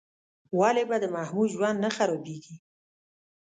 ولې به د محمود ژوند نه خرابېږي؟